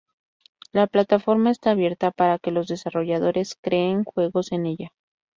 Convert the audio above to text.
La plataforma está abierta para que los desarrolladores creen juegos en ella.